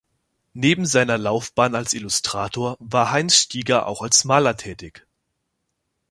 Neben seiner Laufbahn als Illustrator war Heinz Stieger auch als Maler tätig.